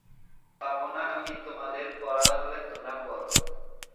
পরবো না আমি তোমাদের পরা লাগলে তোমারা পরো।